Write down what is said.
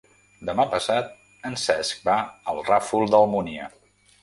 Demà passat en Cesc va al Ràfol d'Almúnia.